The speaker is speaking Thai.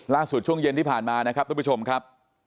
ช่วงเย็นที่ผ่านมานะครับทุกผู้ชมครับ